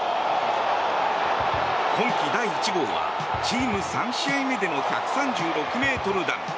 今季第１号はチーム３試合目での１３６ｍ弾。